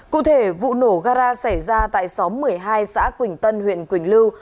cụ thể vụ nổ gara xảy ra tại xóm một mươi hai xã quỳnh tân huyện quỳnh lưu